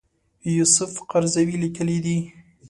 یوسف قرضاوي لیکلي دي.